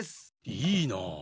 いいなあ！